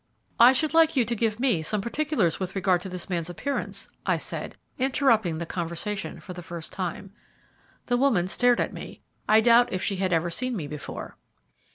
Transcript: "I should like you to give me some particulars with regard to this man's appearance," I said, interrupting the conversation for the first time. The woman stared at me. I doubt if she had ever seen me before.